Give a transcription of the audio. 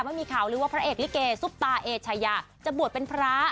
ไม่มีข่าวลือว่าพระเอกลิเกซุปตาเอชายาจะบวชเป็นพระ